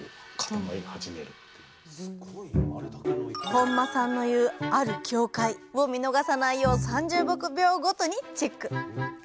本間さんの言うある境界を見逃さないよう３０秒ごとにチェック！